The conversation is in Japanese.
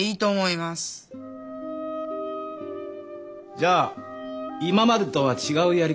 じゃ今までとは違うやり方